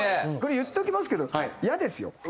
これ言っておきますけどイヤですよ。